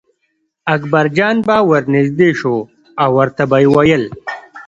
اکبرجان به ور نږدې شو او ورته به یې ویل.